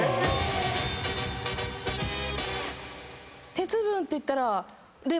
鉄分っていったら。